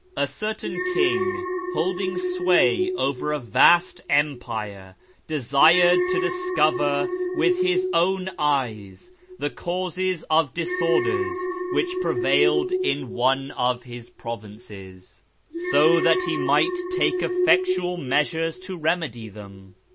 A certain king holding sway over a vast empire desired to discover with his own eyes the causes of disorders which prevailed in one of his provinces, so that he might take effectual measures to remedy them.